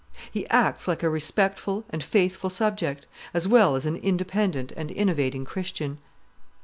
He acts like a respectful and faithful subject, as well as an independent and innovating Christian.